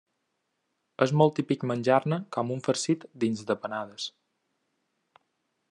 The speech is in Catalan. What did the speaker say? És molt típic menjar-ne com un farcit dins de panades.